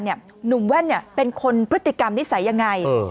หนุ่มแว่นเป็นคนพฤติกรรมนิสัยยังไง